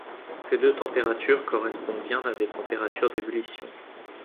Ces deux températures correspondent bien à des températures d'ébullition.